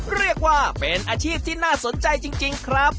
เรียกว่าเป็นอาชีพที่น่าสนใจจริงครับ